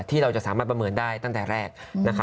ที่เราจะสามารถประเมินได้ตั้งแต่แรก